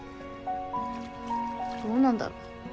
どうなんだろう。